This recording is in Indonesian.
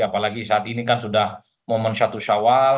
apalagi saat ini kan sudah momen satu syawal